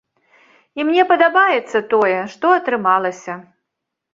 І мне падабаецца тое, што атрымалася.